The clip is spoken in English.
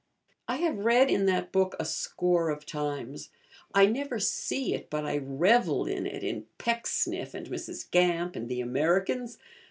I have read in that book a score of times; I never see it but I revel in it in Pecksniff, and Mrs. Gamp, and the Americans.